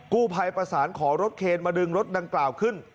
กู้ภัยประสานขอรถเคนมาดึงรถดังกล่าวขึ้น